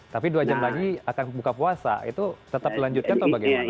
tapi dua jam lagi akan buka puasa itu tetap dilanjutkan atau bagaimana